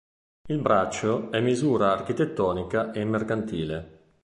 Il braccio è misura architettonica e mercantile.